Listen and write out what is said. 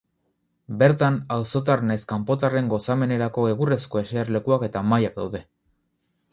Bertan, auzotar nahiz kanpotarren gozamenerako egurrezko eserlekuak eta mahaiak daude.